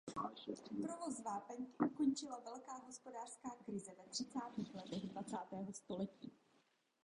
Provoz vápenky ukončila velká hospodářská krize ve třicátých letech dvacátého století.